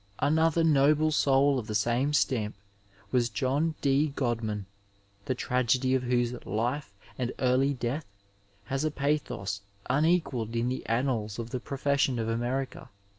Another noble soul of the same stamp was John D. Gk)dman, the tragedy of whose life and early death has a pathos unequalled in the annals of the profession of America.